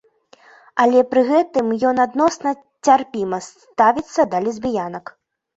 Але пры гэтым ён адносна цярпіма ставіцца да лесбіянак.